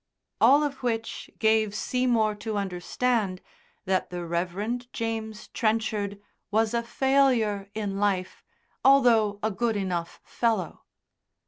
All of which gave Seymour to understand that the Rev. James Trenchard was a failure in life, although a good enough fellow.